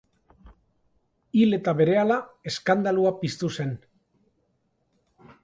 Hil eta berehala eskandalua piztu zen.